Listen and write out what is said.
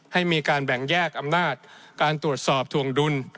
ให้มีการแบ่งแยกอำนาจการตรวจสอบถวงดุล